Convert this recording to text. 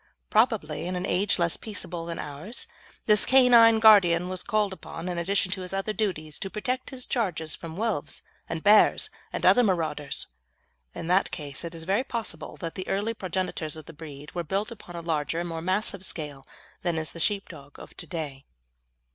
Probably, in an age less peaceable than ours, this canine guardian was called upon, in addition to his other duties, to protect his charges from wolves and bears and other marauders. In that case it is very possible that the early progenitors of the breed were built upon a larger and more massive scale than is the sheepdog of to day.